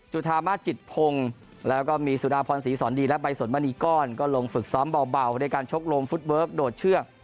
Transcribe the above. จุธามาสจิตพงศ์แล้วก็มีสุดาพรศรีสอนดีและใบสนมณีก้อนก็ลงฝึกซ้อมเบาด้วยการชกลมฟุตเวิร์คโดดเชือก